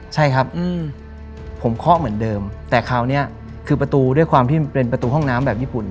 ใช่ครับผมเคาะเหมือนเดิมแต่คราวนี้คือประตูด้วยความที่มันเป็นประตูห้องน้ำแบบญี่ปุ่น